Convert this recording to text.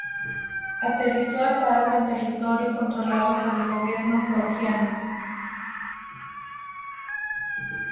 Aterrizó a salvo en territorio controlado por el gobierno georgiano.